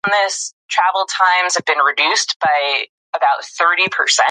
سیاسي مشارکت د ټولنې غږ دی